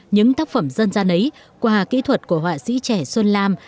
những tác phẩm dân gian ấy qua kỹ thuật của họa sĩ trẻ xuân lam